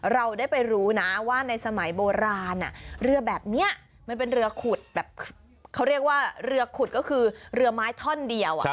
เราได้ไปรู้นะว่าในสมัยโบราณเรือแบบนี้มันเป็นเรือขุดแบบเขาเรียกว่าเรือขุดก็คือเรือไม้ท่อนเดียว